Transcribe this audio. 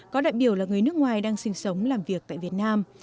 có đại biểu là người nước ngoài đang sinh sống làm việc tại việt nam